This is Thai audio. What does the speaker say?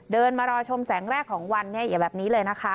เดินมารอชมแสงแรกของวันเนี่ยอย่าแบบนี้เลยนะคะ